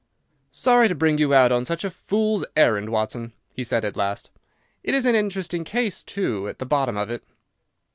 "Sorry to bring you out on such a fool's errand, Watson," he said at last. "It is an interesting case, too, at the bottom of it."